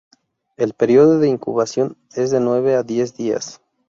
El periodo de incubación es de nueve a diez días.